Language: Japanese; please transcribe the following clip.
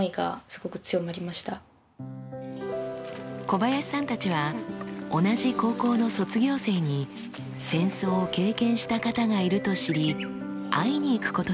小林さんたちは同じ高校の卒業生に戦争を経験した方がいると知り会いに行くことにしました。